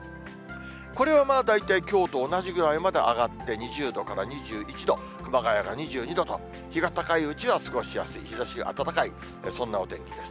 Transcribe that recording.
これは大体きょうと同じぐらいまで上がって２０度から２１度、熊谷が２２度と、日が高いうちは過ごしやすい、日ざしが暖かい、そんなお天気です。